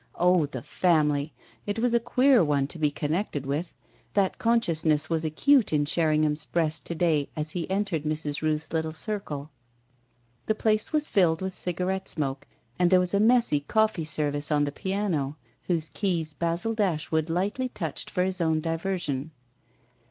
Oh the family! it was a queer one to be connected with: that consciousness was acute in Sherringham's breast to day as he entered Mrs. Rooth's little circle. The place was filled with cigarette smoke and there was a messy coffee service on the piano, whose keys Basil Dashwood lightly touched for his own diversion.